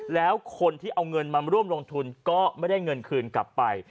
แล้วคนที่เอาเงินมาร่วมลงทุนก็ไม่ได้เงินคืนกลับไป